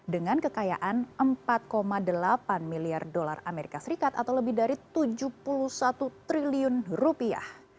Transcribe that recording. dengan kekayaan empat delapan miliar dolar amerika serikat atau lebih dari tujuh puluh satu triliun rupiah